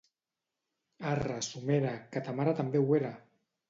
Arre, somera, que ta mare també ho era!